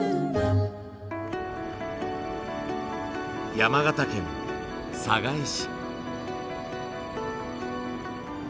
山形県寒河江市。